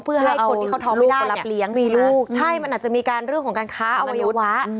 เพื่อให้คนที่เขาท้องไม่ได้เลี้ยงมีลูกใช่มันอาจจะมีการเรื่องของการค้าอวัยวะ